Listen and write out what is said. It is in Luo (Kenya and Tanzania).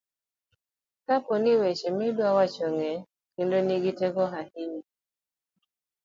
kapo ni weche midwa wacho ng'eny kendo nigi teko ahinya